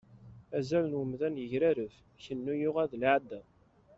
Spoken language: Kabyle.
Azal n umdan yegrareb, Kennu yuɣal d lεada.